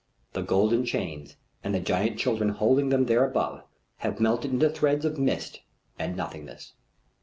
The golden chains, and the giant children holding them there above, have melted into threads of mist and nothingness.